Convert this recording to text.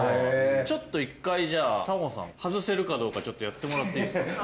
ちょっと一回じゃあタモさん外せるかどうかちょっとやってもらっていいですかね？